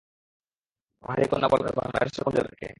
পাহাড়ি কন্যা বলা হয় বাংলাদেশের কোন জেলাকে?